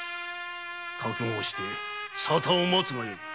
覚悟して沙汰を待つがよい。